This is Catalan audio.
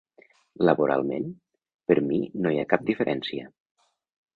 Laboralment, per mi no hi ha cap diferència.